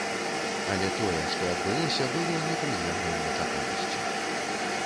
Але тое, што адбылося, было непрыемнай нечаканасцю.